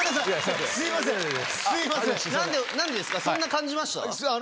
そんな感じました？